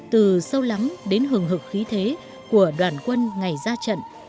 từ sâu lắm đến hừng hực khí thế của đoàn quân ngày ra trận